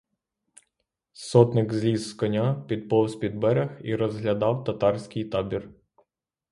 Сотник зліз з коня, підповз під берег і розглядав татарський табір.